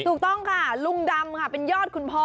ถูกต้องค่ะลุงดำค่ะเป็นยอดคุณพ่อ